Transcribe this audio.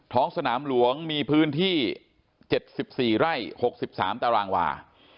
ท้องสนามหลวงมีพื้นที่๗๔ไร่๖๓ตารางวา